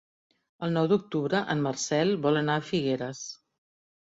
El nou d'octubre en Marcel vol anar a Figueres.